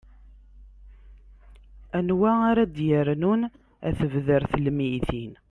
anwa ara d-yernun ar tebdart n lmeyytin